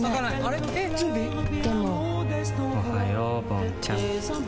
おはようぼんちゃん。